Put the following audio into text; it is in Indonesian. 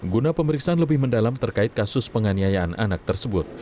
guna pemeriksaan lebih mendalam terkait kasus penganiayaan anak tersebut